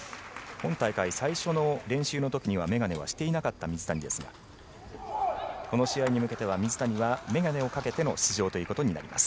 今大会最初の練習の時には眼鏡はしていなかった水谷ですがこの試合に向けては水谷は眼鏡をかけての出場ということになります。